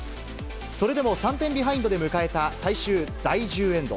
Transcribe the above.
それでも３点ビハインドで迎えた最終第１０エンド。